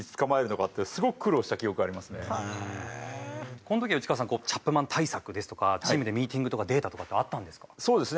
この時は内川さんチャップマン対策ですとかチームでミーティングとかデータとかってあったんですか？